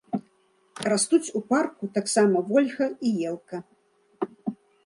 Растуць у парку таксама вольха і елка.